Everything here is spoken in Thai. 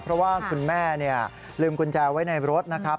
เพราะว่าคุณแม่ลืมกุญแจไว้ในรถนะครับ